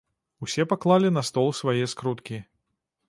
Усе паклалі на стол свае скруткі.